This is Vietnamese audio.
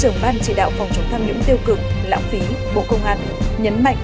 trưởng ban chỉ đạo phòng chống tham nhũng tiêu cực lãng phí bộ công an nhấn mạnh